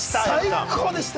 最高でした！